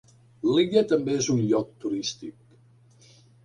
L'illa també és un lloc turístic.